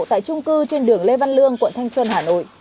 tại trung cư trên đường lê văn lương quận thanh xuân hà nội